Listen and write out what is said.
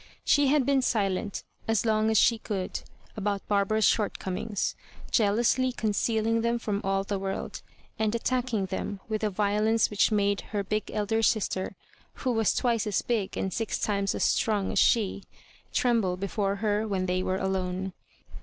She had been silent as long as she could about Barbara's shortcomings, jealously concealing them from all the world, and attacking them with a Tiolenoe which made her big elder sister, who was twice as big and six times as strong as she, tremble before her when they were alone.